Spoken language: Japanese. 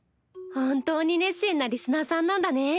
本当に熱心なリスナーさんなんだね。